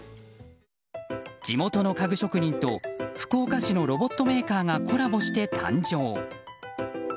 地元の家具職人と福岡市のロボットメーカーがコラボして誕生。